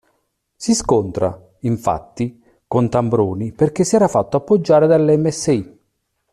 Si scontra, infatti, con Tambroni perché si era fatto appoggiare dal Msi.